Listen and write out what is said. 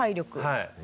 はい。